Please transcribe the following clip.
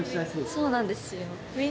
そうなんですよ。